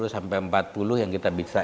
tiga puluh sampai empat puluh yang kita bisa